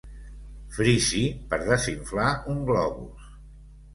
Frisi per desinflar un globus.